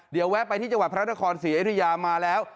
เดี๋ยวแวะไปที่จังหวัดพระนครศรีอยุธยามาแล้ว